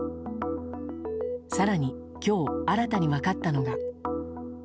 更に、今日新たに分かったのが。